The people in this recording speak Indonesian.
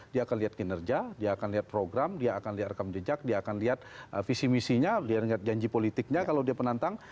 dia akan lihat kinerja dia akan lihat program dia akan lihat rekam jejak dia akan lihat visi misinya lihat janji politiknya kalau dia penantang